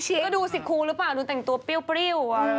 ก็ดูสิคูรึเปล่าดูแต่งตัวปริ้วว่ะเฮ้ย